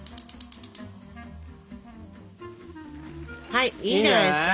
はいいいんじゃないですか？